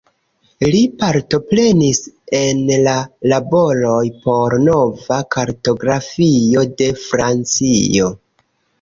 Li partoprenis en la laboroj por nova kartografio de Francio.